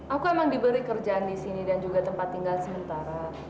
aku emang diberi kerjaan di sini dan juga tempat tinggal sementara